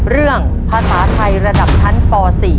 เรื่องภาษาไทยระดับชั้นป๔